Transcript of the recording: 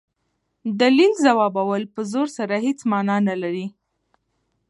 دلیل ځوابول په زور سره هيڅ مانا نه لري.